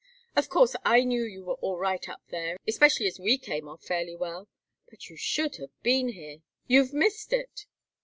"Of course, I knew you were all right up there, especially as we came off fairly well. But you should have been here. You've missed it!"